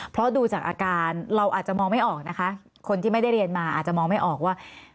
เพราะดูจากอาการเราอาจจะมองไม่ออกนะคะคนที่ไม่ได้เรียนมาอาจจะมองไม่ออกว่า